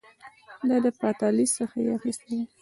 دا له فاتالیس څخه یې اخیستي دي